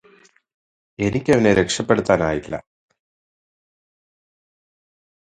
എനിക്കവനെ രക്ഷപ്പെടുത്താനായില്ല